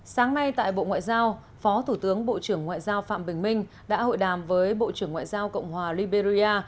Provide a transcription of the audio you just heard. sáng nay tại bộ ngoại giao phó thủ tướng bộ trưởng ngoại giao phạm bình minh đã hội đàm với bộ trưởng ngoại giao cộng hòa liberia